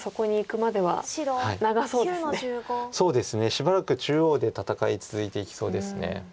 しばらく中央で戦い続いていきそうです。